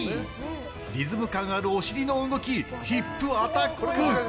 リズム感あるお尻の動きヒップアタック。